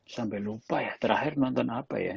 sampai lupa ya terakhir nonton apa ya